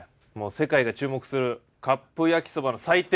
世界が注目するカップ焼きそばの祭典が開かれます。